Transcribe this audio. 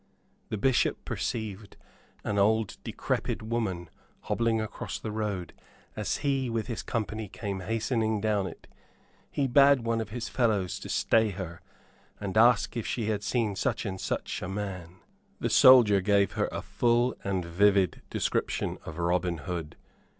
The Bishop perceived an old decrepit woman hobbling across the road, as he with his company came hastening down it. He bade one of his fellows to stay her, and ask if she had seen such and such a man. The soldier gave her a full and vivid description of Robin Hood.